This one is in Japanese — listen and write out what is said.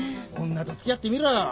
女と付き合ってみろよ。